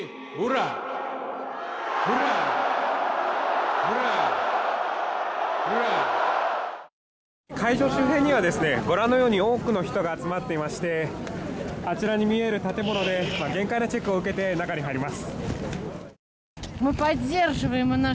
ご覧のように周辺にはご覧のように多くの人が集まっていましてあちらに見える建物で限界なチェックを受けて中に入ります。